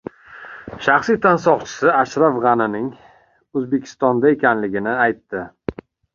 Shaxsiy tansoqchisi Ashraf G‘anining O‘zbekistonda ekanligini aytdi